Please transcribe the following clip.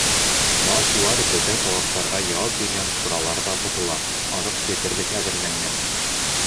Мал-тыуар бөтә талаптарға яуап биргән ҡураларҙа тотола, аҙыҡ етерлек әҙерләнгән.